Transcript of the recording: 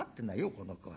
この子は。